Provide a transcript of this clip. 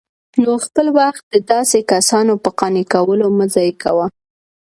نو خپل وخت د داسي كسانو په قانع كولو مه ضايع كوه